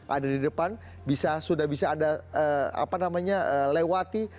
ada di depan sudah bisa anda lewati